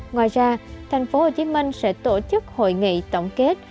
ngoài ra tp hcm sẽ tổ chức hội nghị tổng kết